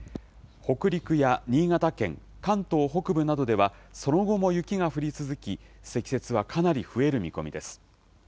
北陸や新潟県、関東北部などではその後も雪が降り続き、積雪はかなり増える見込みです。